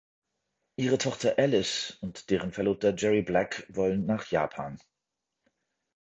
Ihre Tochter Alice und deren Verlobter Jerry Black wollen nach Japan.